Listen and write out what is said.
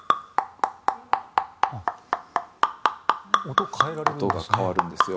音を変えられるんですね。